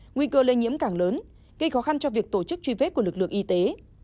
nguy cơ lây nhiễm càng lớn gây khó khăn cho việc tổ chức truy vết của lực lượng y tế